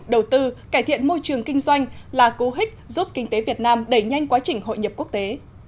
đầu tư cải thiện môi trường kinh doanh là cố hích giúp kinh tế việt nam đẩy nhanh quá trình hội nhập quốc tế